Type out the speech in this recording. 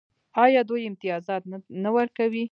آیا دوی امتیازات نه ورکوي؟